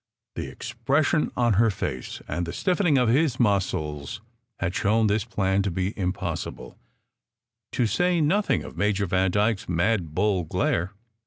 The expression on her face and the stiffening of his muscles had shown this plan to be impossible, to say nothing of Major Vandyke s mad bull glare.